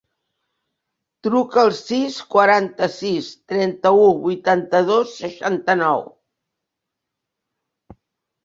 Truca al sis, quaranta-sis, trenta-u, vuitanta-dos, seixanta-nou.